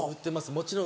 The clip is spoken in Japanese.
もちろん。